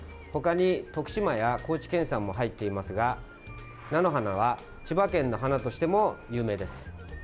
ほかに徳島や高知県産も入っていますが菜の花は千葉県の花としても有名です。